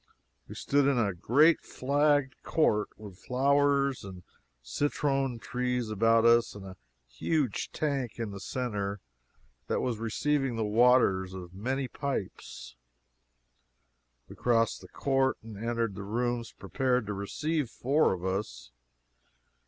We stood in a great flagged court, with flowers and citron trees about us, and a huge tank in the centre that was receiving the waters of many pipes. We crossed the court and entered the rooms prepared to receive four of us.